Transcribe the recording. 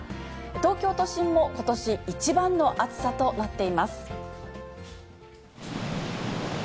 東京都心もことし一番の暑さとなっています。